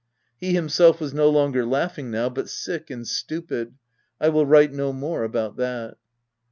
He himself w r as no longer laughing now, but sick and stupid — I will write no more about that.